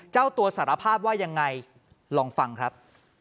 เจ้าตัวสารภาพว่ายังไงลองฟังครับ